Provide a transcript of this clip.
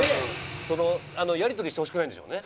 そのやり取りしてほしくないんでしょうね。